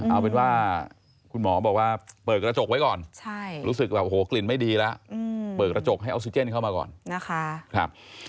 เอาเป็นว่าคุณหมอบอกว่าเปิดกระจกไว้ก่อนรู้สึกแบบโอ้โหกลิ่นไม่ดีแล้วเปิดกระจกให้ออกซิเจนเข้ามาก่อนนะคะ